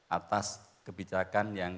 atas kebijakan yang